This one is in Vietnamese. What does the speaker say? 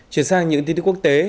chuyển sang những tin tức quốc tế